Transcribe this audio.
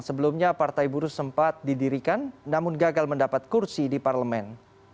sebelumnya partai buruh sempat didirikan namun gagal mendapat kursi di parlemen